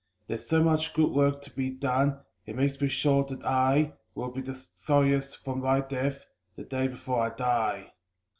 There's so much good work to be done it makes me sure that I Will be the sorriest for my death, the day before I die.